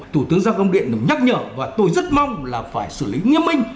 tủ tướng giáo công điện đừng nhắc nhở và tôi rất mong là phải xử lý nghiêm minh